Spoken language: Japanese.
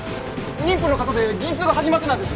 妊婦の方で陣痛が始まってたんです。